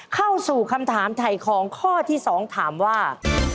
เข้าสู่คำถามถ่ายของข้อที่๒ถามว่า